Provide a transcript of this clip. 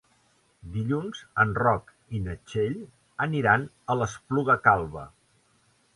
Dilluns en Roc i na Txell aniran a l'Espluga Calba.